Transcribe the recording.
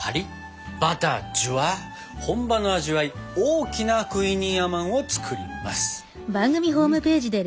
本場の味わい大きなクイニーアマンを作ります。